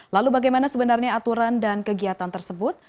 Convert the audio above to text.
lalu bagaimana sebenarnya aturan dan kegiatan tersebut